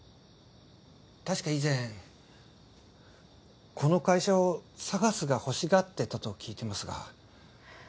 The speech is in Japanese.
確か以前この会社をＳＡＧＡＳが欲しがってたと聞いてますがＳＡＧＡＳ